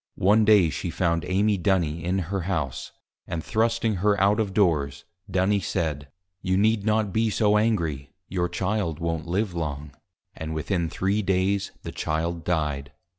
One Day she found Amy Duny in her House, and thrusting her out of Doors, Duny said, You need not be so Angry, your Child won't live long. And within three Days the Child Died.